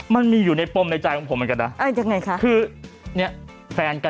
ไม่น่าคุณได้นะ